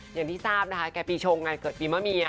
อย่างที่ทราบนะคะแก่ปีชงงานเกิดปีมะเมีย